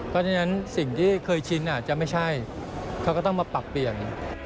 เพราะฉะนั้นสิ่งที่เคยชินอาจจะไม่ใช่เขาก็ต้องมาปรับเปลี่ยน